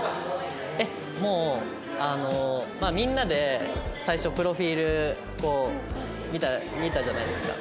えっもうあのみんなで最初プロフィールこう見たじゃないですか。